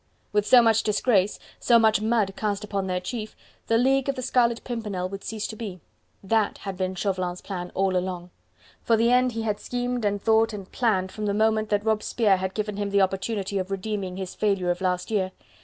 With so much disgrace, so much mud cast upon their chief, the League of the Scarlet Pimpernel would cease to be. THAT had been Chauvelin's plan all along. For this end he had schemed and thought and planned, from the moment that Robespierre had given him the opportunity of redeeming his failure of last year.